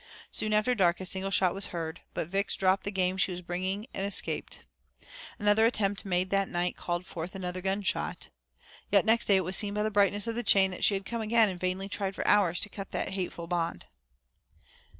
Soon after dark a single shot was heard, but Vix dropped the game she was bringing and escaped. Another attempt made that night called forth another gunshot. Yet next day it was seen by the brightness of the chain that she had come again and vainly tried for hours to cut that hateful bond.